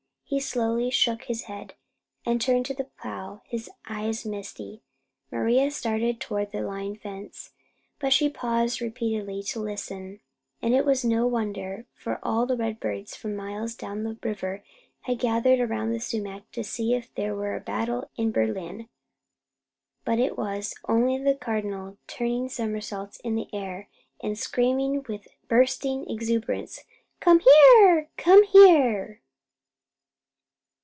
He slowly shook his head, and turned to the plow, his eyes misty. Maria started toward the line fence, but she paused repeatedly to listen; and it was no wonder, for all the redbirds from miles down the river had gathered around the sumac to see if there were a battle in birdland; but it was only the Cardinal, turning somersaults in the air, and screaming with bursting exuberance: "Come here! Come here!"